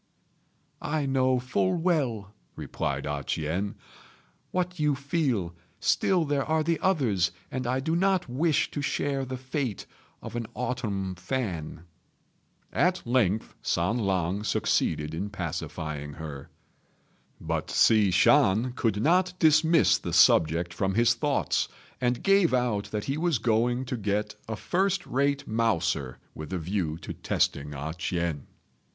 "I know full well," replied A ch'ien, "what you feel; still there are the others, and I do not wish to share the fate of an autumn fan." At length San lang succeeded in pacifying her; but Hsi Shan could not dismiss the subject from his thoughts, and gave out that he was going to get a first rate mouser, with a view to testing A ch'ien.